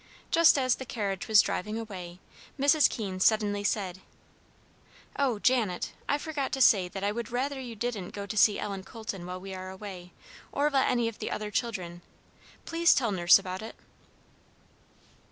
Just as the carriage was driving away, Mrs. Keene suddenly said, "Oh, Janet! I forgot to say that I would rather you didn't go see Ellen Colton while we are away, or let any of the other children. Please tell nurse about it."